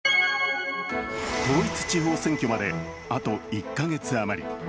統一地方選挙まであと１か月あまり。